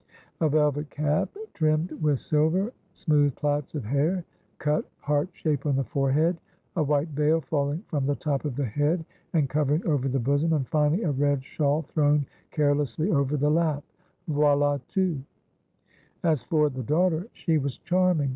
A velvet cap, trimmed with silver, smooth plaits of hair, cut heart shape on the forehead, a white veil falling from the top of the head and covering over the bosom, and finally, a red shawl thrown carelessly over the lap voilà tout! As for the daughter, she was charming.